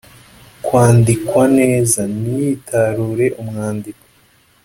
kwandikwa neza, ntiyitarure umwandiko